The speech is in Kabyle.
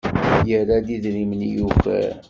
Yerra-d idrimen i yuker.